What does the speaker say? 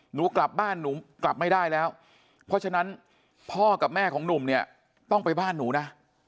หนูกลับบ้านหนูกลับไม่ได้แล้วเพราะฉะนั้นพ่อกับแม่ของหนุ่มเนี่ยต้องไปบ้านหนูนะ